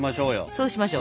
そうしましょう。